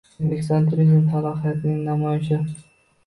O‘zbekiston turizm salohiyatining namoyishi